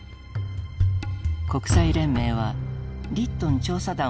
国際連盟はリットン調査団を派遣。